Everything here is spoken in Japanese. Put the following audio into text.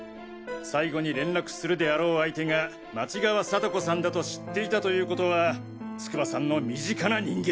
最後に連絡するであろう相手が町側貞子さんだと知っていたというコトは筑波さんの身近な人間。